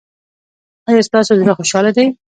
ایا ستاسو زړه خوشحاله دی؟